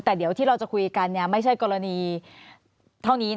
แต่เดี๋ยวที่เราจะคุยกันไม่ใช่กรณีเท่านี้